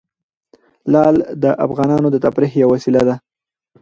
لعل د افغانانو د تفریح یوه وسیله ده.